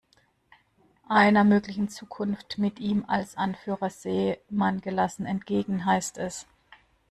Einer möglichen Zukunft mit ihm als Anführer sehe man gelassen entgegen, heißt es.